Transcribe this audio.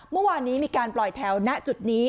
เมื่อวานนี้มีการปล่อยแถวณจุดนี้